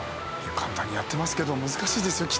簡単にやってますけど難しいですよきっと。